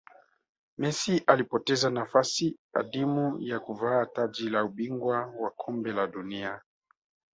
messi alipoteza nafasi adimu ya kuvaa taji la ubingwa wa kombe la dunia